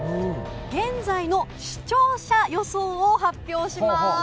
現在の視聴者予想を発表します。